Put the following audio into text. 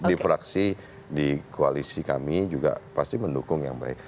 di fraksi di koalisi kami juga pasti mendukung yang baik